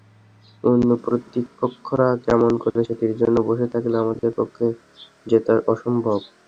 অন্য প্রতিপক্ষরা কেমন করে সেটির জন্য বসে থাকলে আমাদের পক্ষে জেতা অসম্ভব।